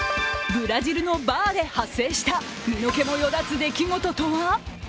ブラジルのバーで発生した身の毛もよだつ出来事とは。